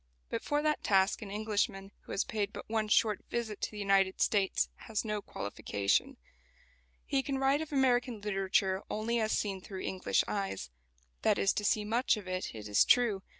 But for that task an Englishman who has paid but one short visit to the United States has no qualification. He can write of American literature only as seen through English eyes. That is to see much of it, it is true.